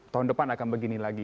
tahun depan akan begini lagi